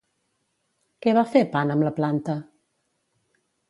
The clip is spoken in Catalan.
Què va fer Pan amb la planta?